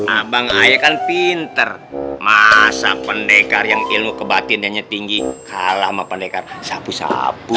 abang ayah kan pinter masa pendekar yang ilmu kebatinannya tinggi kalah sama pendekar sapu sapu